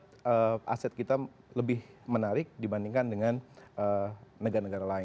di sini kita berusaha untuk membuat aset kita lebih menarik dibandingkan dengan negara negara lain